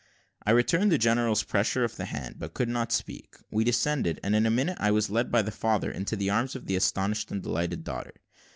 I returned the general's pressure of the hand, but could not speak. We descended, and in a minute I was led by the father into the arms of the astonished and delighted daughter.